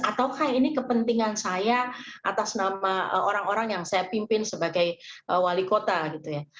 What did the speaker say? ataukah ini kepentingan saya atas nama orang orang yang saya pimpin sebagai wali kota gitu ya